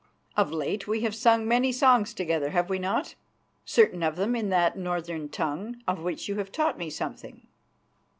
Of late we have sung many songs together, have we not, certain of them in that northern tongue, of which you have taught me something?"